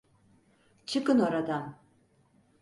Çıkın oradan!